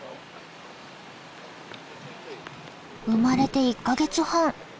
生まれて１か月半。